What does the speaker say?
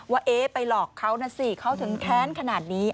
ว่าเอ๊ไปหลอกเขานะสิเขาถึงแค้นขนาดนี้